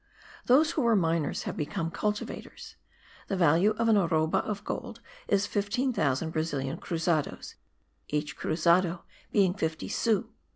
Those who were miners have become cultivators. The value of an arroba of gold is 15,000 Brazilian cruzados (each cruzado being 50 sous).